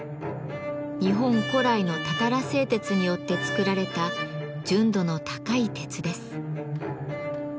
日本古来のたたら製鉄によって作られた純度の高い鉄です。